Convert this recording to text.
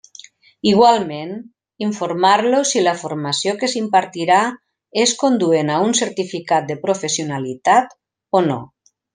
Igualment, informar-lo si la formació que s'impartirà és conduent a un certificat de professionalitat o no.